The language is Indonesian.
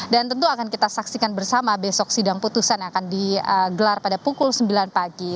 dan tentu akan kita saksikan bersama besok sidang putusan yang akan digelar pada pukul sembilan pagi